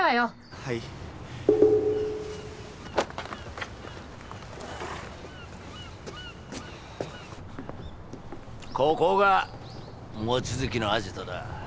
はいここが望月のアジトだ